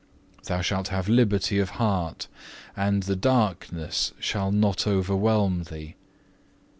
Thou shalt have liberty of heart, and the darkness shall not overwhelm thee.